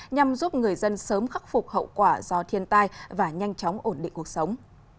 nhằm giúp người dân sớm khắc phục hậu quả do thiên tai và nhanh chóng ổn định cuộc sống